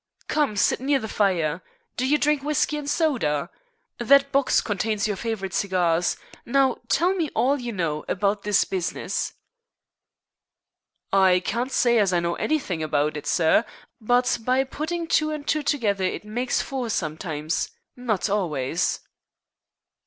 "Come, sit near the fire. Do you drink whisky and soda? That box contains your favorite cigars. Now, tell me all you know about this business." "I can't s'y as I know anythink about it, sir, but by puttin' two and two together it makes four sometimes not always."